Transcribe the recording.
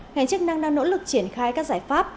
ngành chức năng đang nỗ lực triển khai các giải pháp